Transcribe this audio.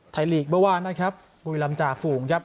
ไทยลีกเบื่อวานนะครับบุยรามจาฟูงครับ